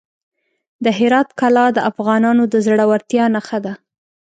د هرات کلا د افغانانو د زړورتیا نښه ده.